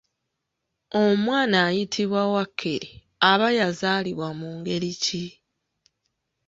Omwana ayitibwa “Wakkere” aba yazaalibwa mu ngeri ki?